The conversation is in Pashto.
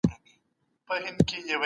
کتابونه تر ورځنيو خبرو زيات مطالعه کړئ.